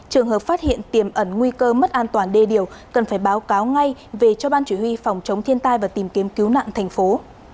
trường hợp phát hiện tiềm ẩn nguy cơ mất an toàn đê điều cần phải báo cáo ngay về cho ban chỉ huy phòng chống thiên tai và tìm kiếm cứu nạn thành phố